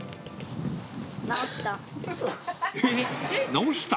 直した。